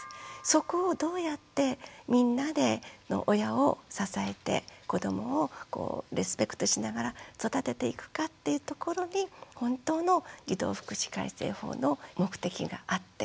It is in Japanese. そこをどうやってみんなで親を支えて子どもをリスペクトしながら育てていくかっていうところに本当の児童福祉改正法の目的があって。